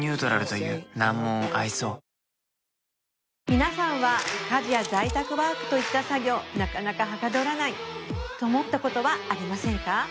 皆さんは家事や在宅ワークといった作業なかなかはかどらないと思ったことはありませんか？